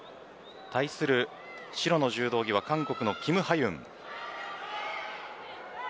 対する白の柔道着は韓国のキム・ハユンです。